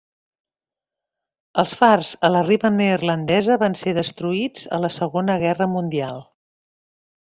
Els fars a la riba neerlandesa van ser destruïts a la Segona Guerra Mundial.